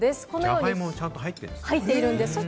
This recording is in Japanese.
ジャガイモ、ちゃんと入ってるんですね。